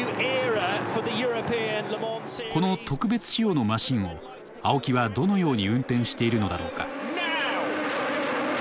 この特別仕様のマシンを青木はどのように運転しているのだろうか。